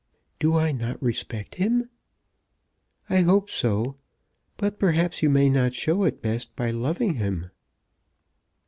"Do I not respect him?" "I hope so. But perhaps you may not show it best by loving him."